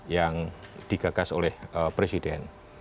yang digagas oleh presiden